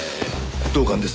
同感です。